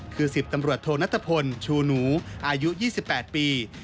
คือ๑๐ตำรวจโทนัทพลชูหนูอายุ๒๘ปี